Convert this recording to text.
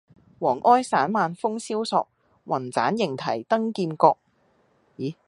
黃埃散漫風蕭索，云棧縈紆登劍閣。